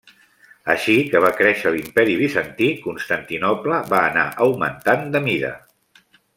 Així que va créixer l'Imperi bizantí, Constantinoble va anar augmentant de mida.